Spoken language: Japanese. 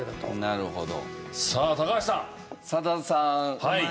なるほど。